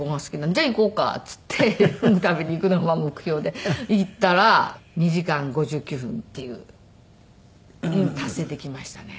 「じゃあ行こうか」っていってフグ食べに行くのが目標で行ったら２時間５９分っていう達成できましたね。